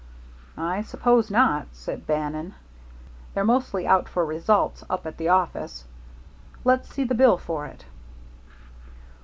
"I suppose not," said Bannon. "They're mostly out for results up at the office. Let's see the bill for it."